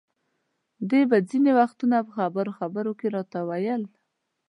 دې به ځینې وختونه په خبرو خبرو کې راته ویل.